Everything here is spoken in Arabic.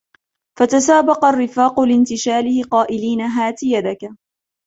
فتسابق الرفاق لانتشاله قائلين هات يدك